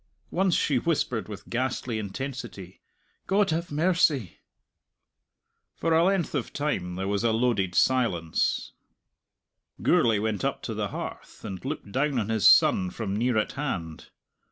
Once she whispered with ghastly intensity, "God have mercy!" For a length of time there was a loaded silence. Gourlay went up to the hearth, and looked down on his son from near at hand.